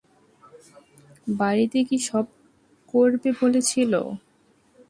বাড়িতে কী সব করবে বলেছিল।